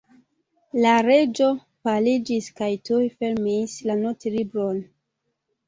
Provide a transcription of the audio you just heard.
La Reĝo paliĝis kaj tuj fermis la notlibron.